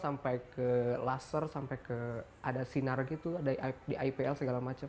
sampai ke laser sampai ke ada sinar gitu di ipl segala macam